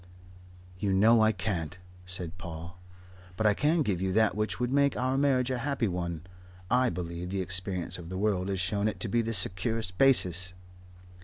"You know I can't," said Paul. "But I can give you that which would make our marriage a happy one. I believe the experience of the world has shown it to be the securest basis."